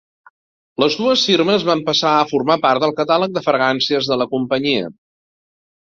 Les dues firmes van passar a formar part del catàleg de fragàncies de la companyia.